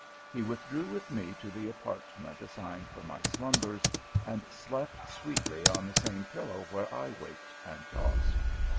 He withdrew with me to the apartment assigned for my slumbers, and slept sweetly on the same pillow where I waked and tossed.